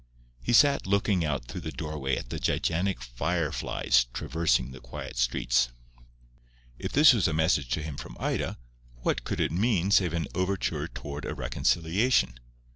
He sat looking out through the doorway at the gigantic fire flies traversing the quiet streets. If this was a message to him from Ida, what could it mean save an overture toward a reconciliation?